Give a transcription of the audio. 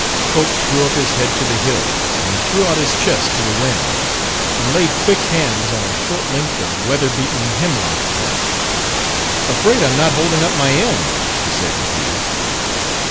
Cope threw up his head to the hills and threw out his chest to the winds, and laid quick hands on a short length of weather beaten hemlock plank. "Afraid I'm not holding up my end," he said to Peter.